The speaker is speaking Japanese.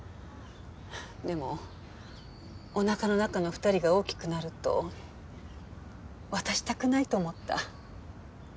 でもおなかの中の２人が大きくなると渡したくないと思った。